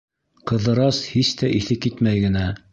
Ҡыҙырас һис тә иҫе китмәй генә: